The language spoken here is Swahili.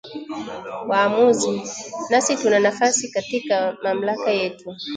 Waamuzi, nasi tuna nafasi katika mamlaka yetu